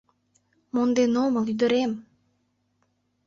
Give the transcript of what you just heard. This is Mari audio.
— Монден омыл, ӱдырем!